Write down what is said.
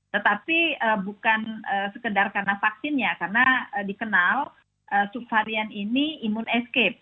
tetapi bukan sekedar karena vaksinnya karena dikenal subvarian ini imun escape